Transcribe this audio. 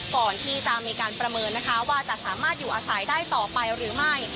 ก่อนที่จะมีการประเมินนะคะว่าจะสามารถอยู่อาศัยได้ต่อไปหรือไม่